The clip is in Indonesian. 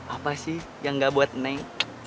apa sih yang gak buat neng